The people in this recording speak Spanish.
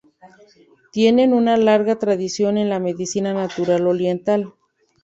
Tiene una larga tradición en la medicina natural oriental.